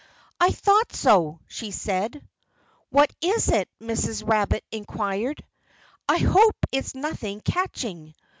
"I thought so!" she said. "What is it?" Mrs. Rabbit inquired. "I hope it's nothing catching.